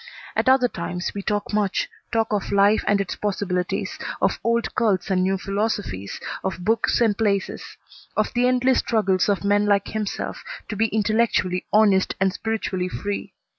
At other times we talk much talk of life and its possibilities, of old cults and new philosophies, of books and places; of the endless struggles of men like himself to be intellectually honest and spiritually free.